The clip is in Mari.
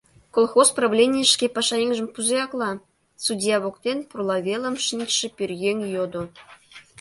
— Колхоз правлений шке пашаеҥжым кузе акла? — судья воктен пурла велым шинчыше пӧръеҥ йодо.